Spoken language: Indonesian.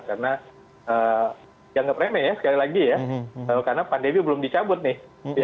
karena jangan nge premeh ya sekali lagi ya karena pandemi belum dicabut nih